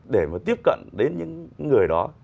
để mà tiếp cận đến những người đó